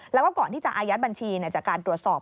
แล้วก็ก่อนที่จะอายัดบัญชีจากการตรวจสอบ